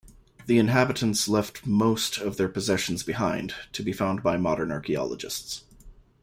The inhabitants left most of their possessions behind, to be found by modern archaeologists.